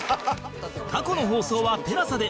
過去の放送は ＴＥＬＡＳＡ で